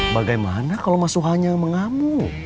bagaimana kalau mas suha nya mengamu